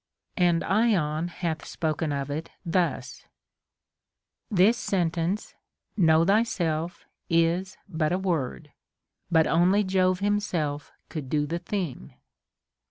And Ion hath spoken of it thus :— This sentence, Know thpelf, is but a word ; But only Jove himself could do the thing.